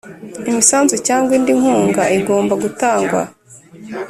imisanzu cyangwa indi nkunga igomba gutangwa